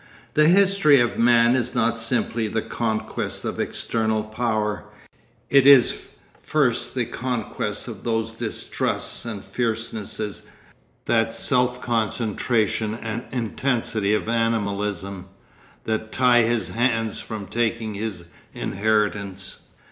The history of man is not simply the conquest of external power; it is first the conquest of those distrusts and fiercenesses, that self concentration and intensity of animalism, that tie his hands from taking his inheritance.